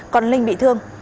còn linh bị thương